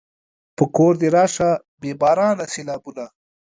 په کور دې راشه بې بارانه سېلابونه